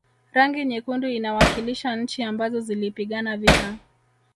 rangi nyekundu inawakilisha nchi ambazo zilipigana vita